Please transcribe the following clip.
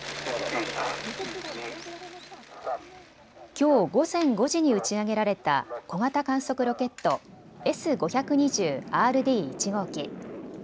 きょう午前５時に打ち上げられた小型観測ロケット、Ｓ−５２０ーＲＤ１号機。